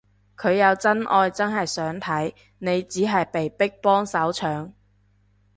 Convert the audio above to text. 佢有真愛真係想睇，你只係被逼幫手搶